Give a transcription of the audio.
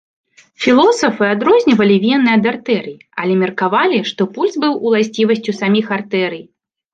Філосафы адрознівалі вены ад артэрый, але меркавалі, што пульс быў уласцівасцю саміх артэрый.